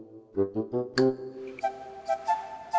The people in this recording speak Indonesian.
masa ini hubungan mu itu fran teh siotimu